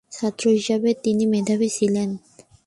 ছাত্র হিসেবে তিনি মেধাবী ছিলেন।